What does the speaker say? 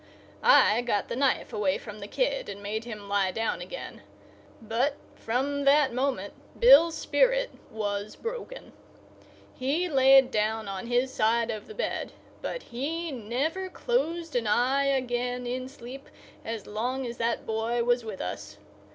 I got the knife away from the kid and made him lie down again. But, from that moment, Bill's spirit was broken. He laid down on his side of the bed, but he never closed an eye again in sleep as long as that boy was with us.